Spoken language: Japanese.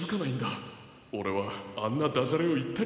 オレはあんなダジャレをいったりしないぞ。